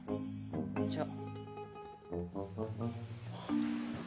じゃあ。